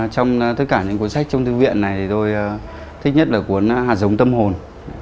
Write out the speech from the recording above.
trong tất cả những cuốn sách trong thư viện này tôi thích nhất là cuốn hạt giống tâm hồn